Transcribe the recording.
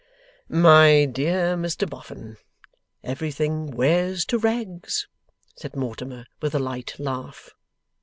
'My dear Mr Boffin, everything wears to rags,' said Mortimer, with a light laugh.